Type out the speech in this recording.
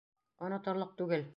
Оноторлоҡ түгел.